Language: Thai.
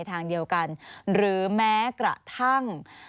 สนุนโดยน้ำดื่มสิง